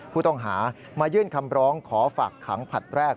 ผู้ต้องหามายื่นคำร้องขอฝากขังผลัดแรก